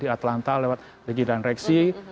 atlanta lewat legi dan reksi